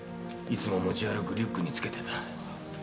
いつも持ち歩くリュックにつけてた。